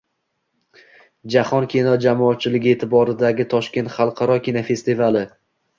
Jahon kino jamoatchiligi e’tiboridagi Toshkent xalqaro kinofestivali